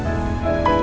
nah unik smartfile